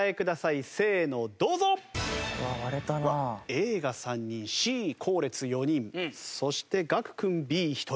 Ａが３人Ｃ後列４人そして楽君Ｂ１人。